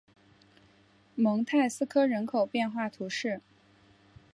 蒙泰斯科人口变化图示